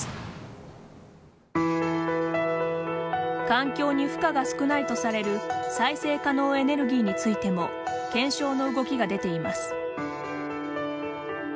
環境に負荷が少ないとされる再生可能エネルギーについても検証の動きが出ています。